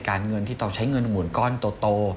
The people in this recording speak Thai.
การเงินที่ต้องใช้เงินหมุนก้อนโต